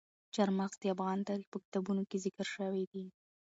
چار مغز د افغان تاریخ په کتابونو کې ذکر شوی دي.